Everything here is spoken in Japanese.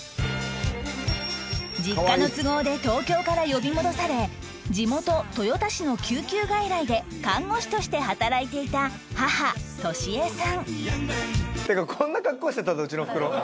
実家の都合で東京から呼び戻され地元豊田市の救急外来で看護師として働いていた母利江さんっていうかこんな格好してたんだうちのおふくろ。